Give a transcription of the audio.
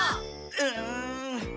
うん。